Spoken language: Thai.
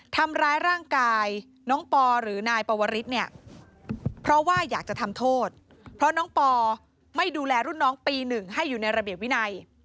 ที่อยู่ในระเบียบวินัย